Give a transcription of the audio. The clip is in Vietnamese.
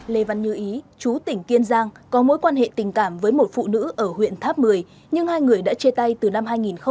lê văn như ý chú tỉnh kiên giang có mối quan hệ tình cảm với một phụ nữ ở huyện tháp mười nhưng hai người đã chê tay từ năm hai nghìn hai mươi hai